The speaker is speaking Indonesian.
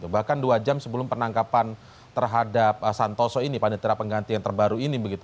bahkan dua jam sebelum penangkapan terhadap santoso ini panitera pengganti yang terbaru ini